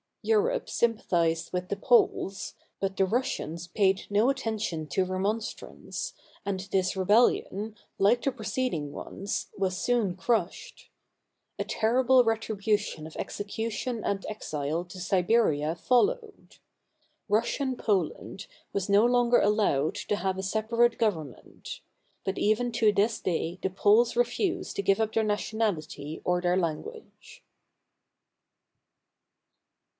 Europe sympathized with the Poles, but the Russians paid no attention to remonstrance, and this re bellion, like the preceding ones, was soon crushed. A terrible retribution of execution and exile to Siberia followed. Rus sian Poland was no longer allowed to have a separate govern ment; but even to this day the Poles refuse to give up their nationality or their language.